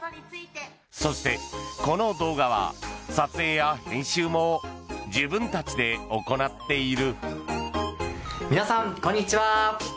そして、この動画は撮影や編集も自分たちで行っている。